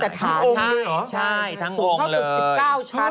พระพุทธรูปสูงเก้าชั้นหมายความว่าสูงเก้าชั้น